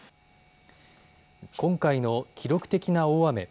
今回の記録的な大雨。